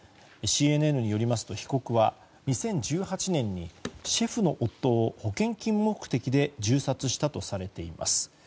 ＣＮＮによりますと被告は２０１８年にシェフの夫を保険金目的で銃殺したとされています。